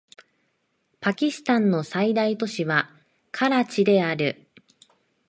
パキスタンの最大都市はカラチである